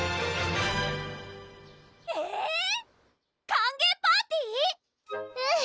歓迎パーティー⁉うん